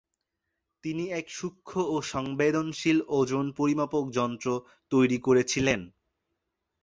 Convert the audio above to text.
তিনি এক সূক্ষ্ম ও সংবেদনশীল ওজন পরিমাপক যন্ত্র তৈরি করেছিলেন।